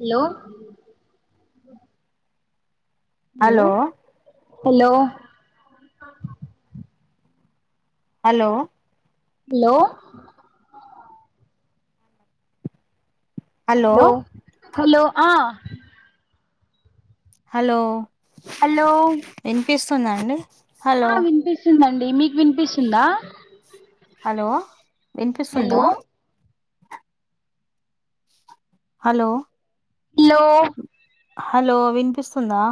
Hello hello hello hello hello hello hello ఆ hello hello వస్తుందా అండి హలో ఆ వినిపిస్తుందండి మీకు వినిపిస్తుందా హలో వినిపిస్తుందా హలో హలో హలో హలో వినిపిస్తుందా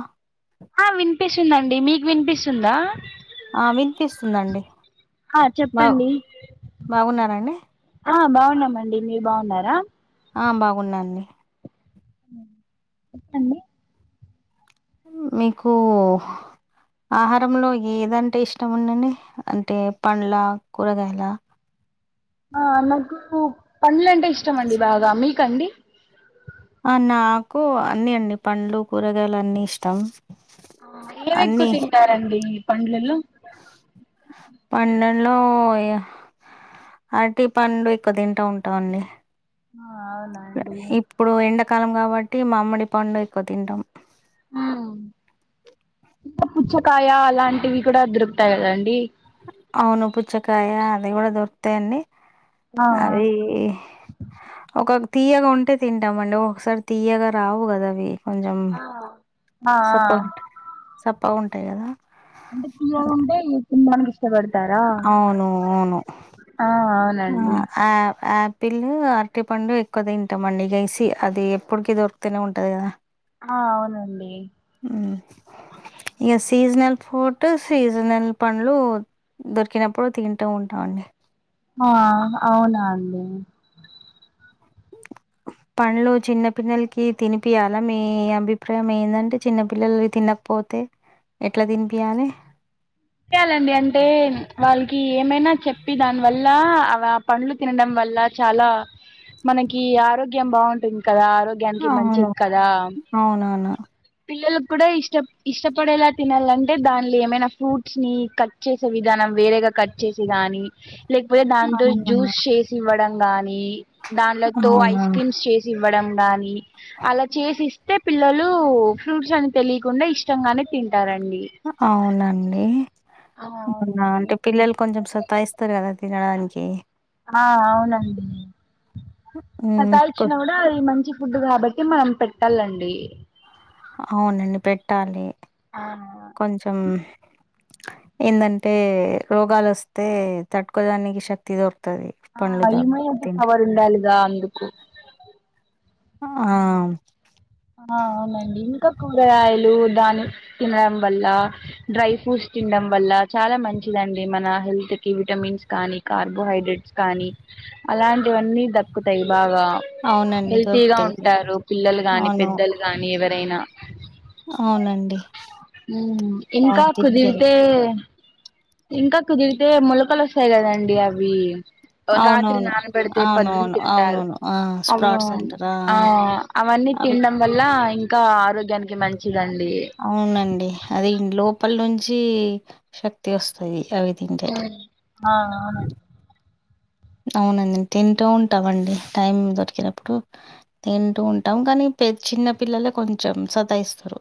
ఆ వినిపిస్తుందండి మీకు వినిపిస్తుందా ఆ వినిపిస్తుందండి ఆ బాగు చెప్పండి బాగున్నారండి ఆ బాగున్నామండి మీరు బాగున్నారా ఆ బాగున్నాండి చెప్పండి మీకు ఆహారంలో ఏదంటే ఇష్టం ఉండని అంటే పండ్ల కూరగాయల ఆ నాకు పండ్ల అంటే ఇష్టం అండి బాగా మిక్ అండి ఆ నాకు అన్ని అండి పండ్లు కూరగాయలు అన్ని ఇష్టం ఆ ఏవీ ఏక్కువా తింటారండి ఈ పండ్లలో పన్నెలో అరటి పండు ఎక్కువ తింటా ఉంటాండి ఆ అవునండి ఇప్పుడు ఎండాకాలం కాబట్టి మామీడి పండు ఎక్కువ తింటాం ఇంకా పుచ్చకాయ అలాంటివి కూడా దొరుకుతాయి కదండి అవును పుచ్చకాయ అది కూడా దొరుకుతాయి అండి ఆ అది ఒక తీయగా ఉంటే తింటామండి ఒకసారి తీయగా రావు కదా అవి కొంచెం ఆ ఆ సప్పగా సప్పగా ఉంటాయి కదా అంటే తీయగా ఉంటే తినడానికి ఇష్ అవును అవును ఆ ఆ అవునండి ఆ ఆ పిల్లు అరటి పండు ఎక్కువ తింటాంమండి గసి అది ఎప్పుడుకి దొరుకుతనే ఉంటది కదా ఆ అవునండి ఎస్ సీజనల్ ఫోట్ సీజనల్ పండ్లు దొరికినప్పుడు తింటూ ఉంటామండి ఆ అవునా అండి పనులు చిన్న పిల్లలకి తినిపియాలా మీ అభిప్రాయం ఏందంటే చిన్నపిల్లలు తిన్న పోతే ఎట్లా తినిపియాలే చెయాలండి అంటే వాళ్ళ కి ఏమైనా చెప్పి దాని వల్ల పండ్లు తినడం వల్ల చాలా మనకి ఆరోగ్యం బాగుంటుంది కదా ఆరోగ్యానికి అవును మంచిది కదా అవునవును పిల్లలు. కూడా ఇష్ట ఇష్టపడేలా తినాలంటే దానిలో ఏమైనా ఫ్రూట్స్. ని కట్ చేసే విధానం వేరేగా కట్ చేసే కాని. లేకపోతే దానింతో అవునా జ్యూస్ చేసి ఇవ్వడం గాని. దాంనలతో అవునా ఐస్ క్రీమ్స్ చేసి ఇవ్వడం. కాని అలా చేసిస్తే పిల్లలు ఫ్రూట్స్ అని తెలియకుండా ఇష్టంగానే తిన్. అవునండి ఆ అవునా అవునండి అంటే పిల్లలు కొంచెం సత్తాయిస్తారు కదా. తినడానికి. ఆహ్ అవునండి మ్మ్ కొ సతాచ్చినా కూడా అది మంచిగ. ఫుడ్ కాబట్టి మనం పెట్టాలండి. అవునండి పెట్టాలి ఆ కొంచెం. ఏందంటే రోగాలు వస్తే తట్టుకోడానికి శక్తి దొరుకు. ఆహ్ అయమ అటి పవర్ ఉండాలిగా అందుకు ఆహ్. అవునండి ఇంకా కూరగాయలు దాని తినడం వల్ల డ్రై ఫ్రూట్స్ తినడం వల్ల చాలా మంచిదండి మన హెల్త్ కి విటమిన్స్ కానీ కార్బోహైడ్రేట్స్ కానీ అలాంటి. ఇవన్నీ దక్కుతాయి బాగా అవునండి హెల్తీగా దొరుకుతాయి ఉంటారు పిల్లలు గాని. అవును పెద్దలు కానీ ఎవరైనా. అవునండి ఉమ్ ఇంకా అవును తినిపియాలి కుదిరితే ఇంకా కుదిరితే మొలకలు వస్త. వస్తదండి అవి. రాత్రి అవునవును. నానబెడితే పోద్దున అవునవును. తింటారు అవునవును. ఆ! అవి స్ప్రాట్స్ అంటారా? ఆ! ఆహ్ అవన్నీ. ఆ! అవి తినడం వల్ల ఇంకా. ఆరోగ్యానికి మంచిదండి అవునండి అది లోపల నుంచి. చి శక్తి వస్తాది అవి. తింటే. ఉమ్ ఆహ్ అవును. అవునండి తింటూ ఉంటామండి టైం దొరికినప్పుడు తింటూ ఉంటాం కానీ. చిన్న పిల్లలే కొంచెం సతాయిస్తారు.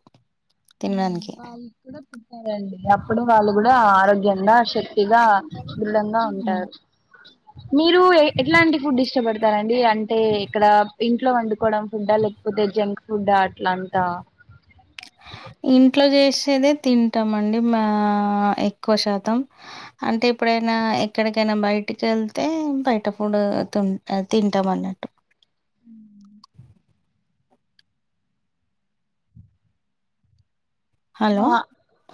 తినడానికి. వాళ్ళు కూడా పుట్టారండి అప్పుడు వాళ్ళు కూడా ఆరోగ్యంగా శక్తి. ఆహ్ బలంగా హ్మ్. ఉంటారు మీరు ఎ ఎట్లాంటి ఫుడ్ ఇష్టపడతారండి అంటే ఇక్కడ ఇంట్లో వండుకోవడం ఫుడ్డా లేకపోతే. పోతే జంక్ ఫుడ్ అట్లాంటా. ఇంట్లో చేసేదే తింటాం అండి మా ఎక్కువ శాతం అంటే. అంటే ఎప్పుడైనా ఎక్కడికైనా బయటికి వెళ్తే బయట ఫుడ్ ఆహ్ తింటాం అన్నట్టు. ఉమ్. హలో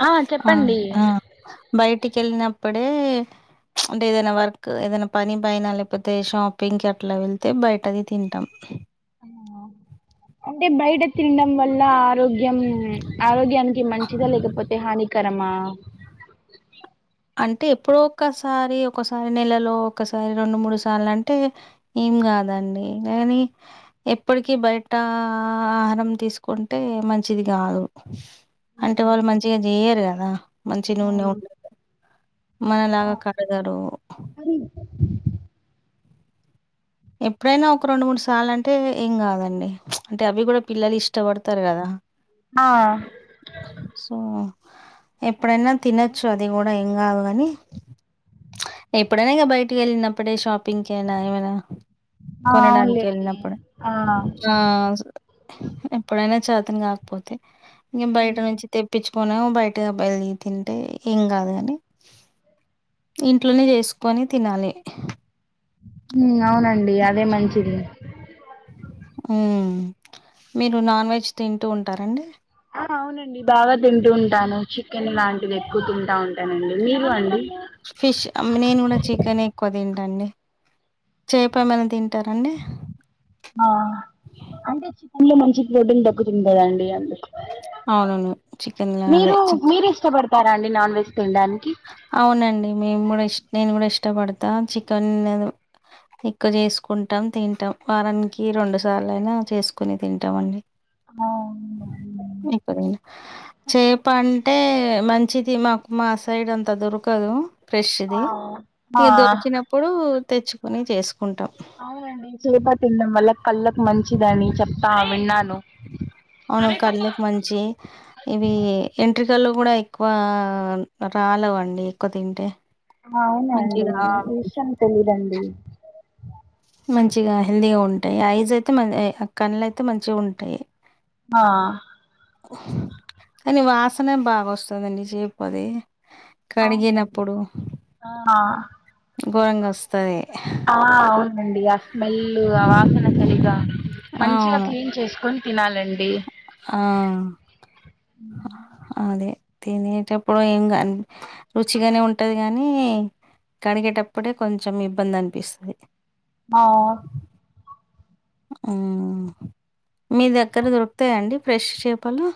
ఆ ఆహ్ చెప్పండి ఆహ్ బయటికి వెళ్ళినప్పుడే. ప్చ్ అంటే ఏదైనా వర్క్ ఏదైనా పని పనా లేకపోతే షాపింగ్కి అట్లా వెళ్తే బయటది తింటాం. అంటే బయట తినడం వల్ల ఆరోగ్యం ఆరోగ్యానికి. మంచిగా లేకపోతే హానికరమా. అంటే ఎప్పుడో ఒక్కసారి ఒకసారి నెలలో ఒకసారి రెండు మూడు సార్లు అంటే ఏం కాదు. అండి కానీ ఎప్పటికీ బయట ఆహారం తీసుకుంటే మంచిది. కాదు అంటే వాళ్ళు మంచిగా చేయరు కదా మంచి నూనె ఉం. మనలాగా కడగారు. ఎప్పుడైనా ఒక రెండు మూడు సార్లు అంటే ఏం కాదండి ప్చ్ అంటే అవి కూడా పిల్లలు ఇష్టపడతారు కదా. ఆ సో. ఎప్పుడైనా తినచ్చు అది కూడా ఏం కాదు కాని ఎప్పుడైనా బయటికి వెళ్ళినప్పుడే షాపింగ్ క అనా ఏమైనా ఆ కొనడానికి అవునులేండి వెళ్ళినప్పుడు ఆ ఆ ఎప్పుడైనా చేతని కాకపోతే ఇంక బయట ఉమ్, నుంచి తెప్పించు పోనే బయటగా బళ్ళ తింటే ఏం కాదు కాని ఇంట్లోనే చేసుకొని తినాలి అవునండి అదే మంచిది మీరు నాన్ వెజ్ తింటూ ఉంటారంండి ఆ అవునండి బాగా తింటూ ఉంటాను చికెన్ లాంటివి ఎక్కువ తింటా ఉంటానండి మీవ అండి ఫిష్ నేను కూడా చికెన్ ఎక్కువ తండి టండి చేప మని తింటారండి ఆ అంటే చికెన్ లో మంచి రొడ్డు మంచి ప్రోటీన్ దక్కుతుంది కదాండి అందురు అవునను చికెన్ గా అదే చ అడి నాన్ వెజ్ తినడానికి అవునండి మేము కూడా ఇష్ట నేను కూడా ఇష్టపడతా చికెన్ది ఎక్కువ చేసుకుంటాం తింటాం వారానికి రెండు సార్లు అయినా చేసుకుని తింటాం అండి [inaudible] మీ చేప అంటే మంచిది మాకు మా సైడ్ అంతా దొరకదు ఫ్రెష్ ఆ ఇది ఆ ఇక దొరికినప్పుడు తెచ్చు కొన్ని చేసుకుంటాం అవునండి చేప తిన్నాం మళ్ళ కళ్ళకు మంచిదని చెప్తా విన్నాను అవును కళ్ళకి మంచి ఇవి ఎంట్ర లు కూడా ఎక్కువ రాలవండి ఎక్కువ తింటే అవున అండి మంచిగా విషయం తెలీదండి మంచిగా హెల్తీగా ఉంటాయి ఐజ్ అయితే మంచి కళ్లు అయితే మంచిగా ఉంటాయి ఆ కానీ వాసనే బాగా వస్తుందండి చేపోది అవునండి కడిగినప్పుడు ఆ ఘోరంగా వస్తది ఆ అవునండి ఆ స్మెల్ ఆ వాసన సరిగా మంచిగా అవును క్లీన్ చేసుకొని తినాలండి ఆ అదే తినేటప్పుడు ఏం కా రుచిగానే ఉంటది కాగానీ కడిగేటప్పుడే కొంచెం ఇబ్బంది అనిపిస్తుంది ఆ ఆ మీ దగ్గర దొరుకుతాయంండి ఫ్రెష్ చేపలో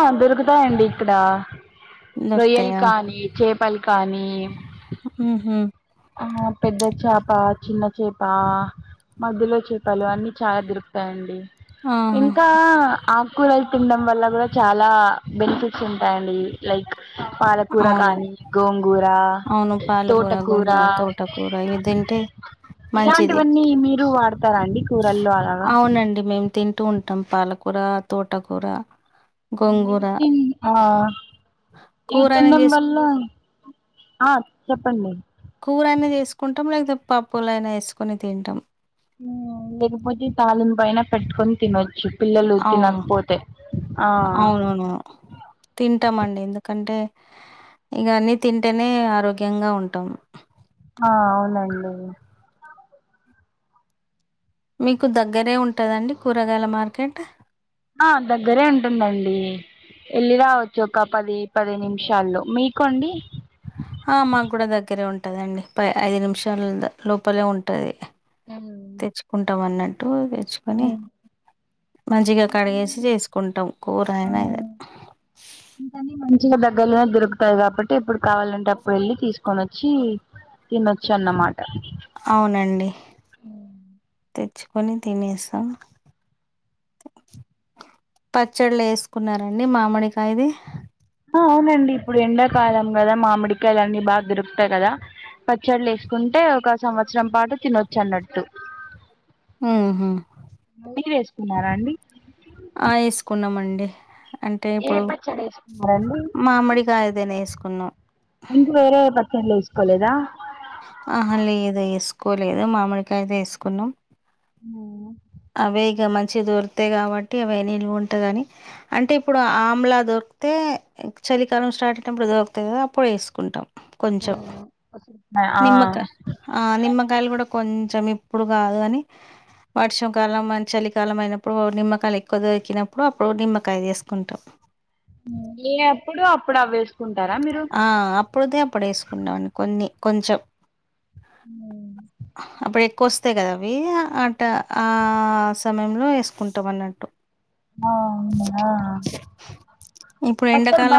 ఆ దొరుకుతాయంండి ఇక్కడ రొయ్యల్ దొరుకుతాయా కానీ చేపలి కా కానీ ఊహూ ఆ పెద్ద చేప చిన్న చేప మధ్యలో చేపలు అన్నిీ చాలా దొరుకుతాయండి ఆహా ఇంకా ఆకూరలు తినడం వల్ల కూడా చాలా బెనిఫిట్స్ ఉంటాయండి లైక్ పాలకూరా అవును కానీ గోంగూరా తోట గొంగర తోటకూర ఇదింటే మంచిది ఇలాంటివన్నీ మీరు వాడతారా అండి కూరల్లో అలాగా అవునండి మేము తి ఇంటు ఉంటాం పాలకూర తోటకూర ఇవి గోంగూరా తిన్ ఆ ఇవి కూరనైన్ తినడం చెస్ వల్ల ఆ చెప్పండి కూరైనే చెసుకుం టంలైతే పప్పులైనా వేసుకొని తింటాం మ్ లేకపోతే తాలిం పైన పెట్టుకొని తినొ చ్చు పిల్లలు అవును తినకపోతే ఆ తింటాం అండి ఎందుకంటే ఇగ అన్నీ తింటేనే ఆరోగ్యంగా ఉంటాం ఆ అవునండి మీకు దగ్గరే ఉంటుందండి కూరగాయల మార్కెట్ ఆ దగ్గరే ఉంటుందండి వెళ్ళి రావచ్చు ఒక పది పది నిమిషాల్లో మీకండి ఆ మాకు కూడా దగ్గరే ఉంటదండి ప ఐదు నిమిషాల లోపలే ఉంటది ఉమ్. తెచ్చుకుంటామన్నట్టు తెచ్చుకొని మంచిగా కడిగేసి చేసుకుంటాం కూరైన ఏదైనా చిన్న దగ్గర్లోనే దొరుకుతాయి కాబట్టి ఎప్పుడు కావాలంటే అప్పుడు వెళ్ళి తీసుకొనోచ్చి తినొచ్చన్నమా అవునండి తెచ్చుకొని తినేస్తా పచ్చళ్ళేసుకున్నారండి మామిడికాయది ఆ అవునండి ఇప్పుడు ఎండాకాలం కదా మామిడికాయలన్నీ బాగా దొరుకుతాయి కదా పచ్చళ్ళేసుకుంటే ఒక సంవత్సరం పాటు తినొచ్చన్నట్టు మ్ హు తిన్నారా అండి వేసుకున్నామండి అంటే ఏ ఇప్పుడు పచ్చడేసుకున్నారండి మామిడికాయదేనే వేసుకున్నాం ఇంక వేరే ప చ్చళ్ళేసుకోలేదా ఆహా లేదు వేసుకోలేదు మామిడి కాయదేసుకున్నాం ఆ అవే ఇగ మంచి దొరితాయి కాబట్టి అవే నిల్వ ఉంటదని అంటే ఇప్పుడు ఆమ్లా దొర్ తే చలికాలం స్టార్ట్ అయినటప్పుడుదోరుతది కదా అప్పుడు వేసుకుంటాం కొంచెం ఆ నిమ్మకాయ్ ఆ నిమ్మకాయలు కూడా కొంచం ఇప్పుడు కాదు అని వర్ష కాలం మన్ చలికాలం అయిప్పుడు నిమ్మకాయలేక్కువ దొరికినప్పుడు అప్పుడు నిమ్మకాయ చేసుకుంటాం ఏ ఎప్పుడో అప్పుడు అవ్వేస్ ఆ అప్పుడుదే అప్పుడేసుకున్నామని కొన్ని కొంచెం అప్పుడు కోస్తాయి కదా అవి అట ఆ సమయంలో వేసుకుంటాం అన్నట్టు అవునా ఇప్పుడు పచ్చల్ బ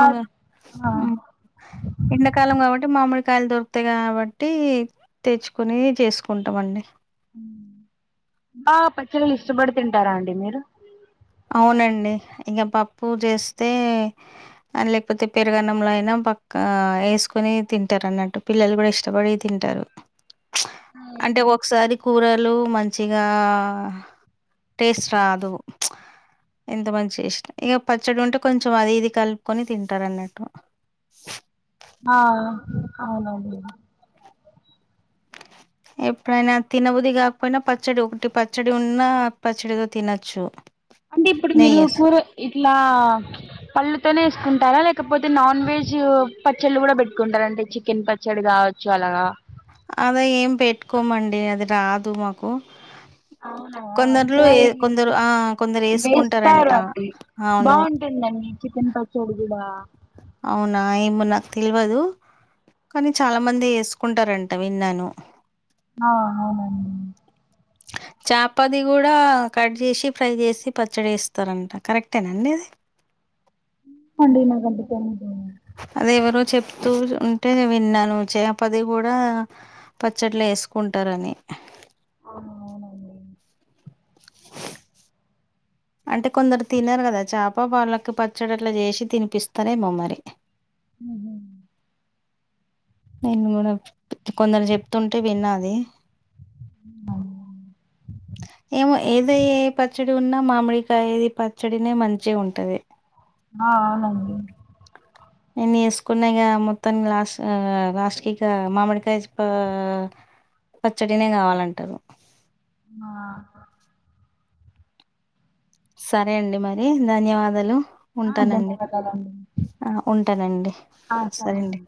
అ ఎండాకాలం కాబట్టి మామిడి కాయలు దొరుకుతాయి కాబట్టి తెచ్చుకోని చేసుకుంటామండి ఆ పచ్చళ్ళు ఇష్టపడి తింటారా అండి మీరు అవునండి ఇంకా పప్పు చేస్తే లేకపోతే పెరుగన్నంలో అయినా పక్క ఆ వేసుకొని తింటారు అన్నట్టు పిల్లలు కూడా ఇష్టపడి తింటారు అంటే ఒకసారి కూర లు మంచిగా టేస్ట్ రాదు ఎంత మంచిగ చేసిన ఇగ పచ్చడ ఉంటే కొంచెం అది ఇది కలుపుకొని తింటారన్నట్టు ఆ అవును అవునవును ఎప్పుడైనా తినబుద్ధి కాకపోయినా పచ్చడి ఒకటి పచ్చడి ఉన్నా పచ్చడితో తినచ్చు అంటే ఇప్పుడు మీరు కూర ఇట్లా పళ్ళు తోనే వేసుకుంటారా లేకపోతే నాన్ వెజ్ పచ్చళ్ళు కూడా పెట్టుకుంటార అంటే చికెన్ పచ్చడి కావచ్చు అలా త అద ఏం పెట్టుకోమండి అది రాదు మాకు అవునా కొందరులు ఏ ఈసారి కొందరు ఆ కొందరు వేస్తారు వేసుకుంటారంట అండి బాగుంటుందండి చికెన్ పకోడి కూడా అవునా ఏమో నాకు తెల్వదు కానీ చాలా మంది వేసుకుంటారంట విన్నాను ఆ అవునండి చేపది కూడా కట్ చేసి ఫ్రై చేసి పచ్చడి వేస్తారంట కరెక్టేనేన అండి అది [unintelligible] అద్దుకొని తూ ఉంటే విన్నాను చేపది కూడా పచ్చట్లు వేసుకుంటారని ఆ అవునండి అంటే కొందరు తినరు కదా చేప వాళ్ళకి పచ్చడి అట్లా చేసి తినిపిస్తారెమో మరి ఉహు నేను కూడా కొందరు చెప్తుంటే విన్నా అది ఏమో ఏద పచ్చడి ఉన్నా మామిడికాయది పచ్చడినే మంచిగా ఉంటది ఆ అవునండి నన్ని వేసుకున్నాక మొత్తాం లాస్ట్ లాస్ట్ క ఇక మామిడికాయ పచ్చడినే కావాలంటారు ఆ సరే అండి మరి ధన్యవాదాలు ఆ ఉంటానండి ధన్యవాదాలండి ఆ ఉంటానండి ఆ సరే అండి సరేనండి